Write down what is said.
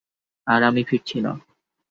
আর আমি ফিরছি না।